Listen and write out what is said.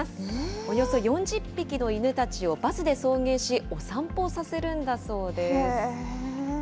およそ４０匹の犬たちをバスで送迎し、お散歩をさせるんだそうです。